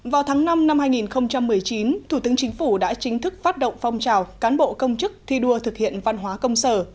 vào tháng năm năm hai nghìn một mươi chín thủ tướng chính phủ đã chính thức phát động phong trào cán bộ công chức thi đua thực hiện văn hóa công sở